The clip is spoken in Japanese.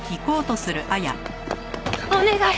お願い！